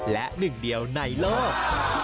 และหนึ่งเดียวในโลก